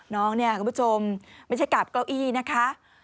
น้องเนี่ยคุณผู้ชมไม่ใช่กาบเก้าอี้นะคะ